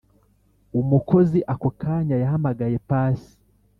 umukozi ako kanya yahamagaye pasi